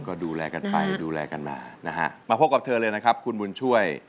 ก็ดูแลกันไปดูแลกันมานะฮะมาพบกับเธอเลยนะครับคุณบุญช่วย